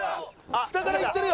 下からいってるよ。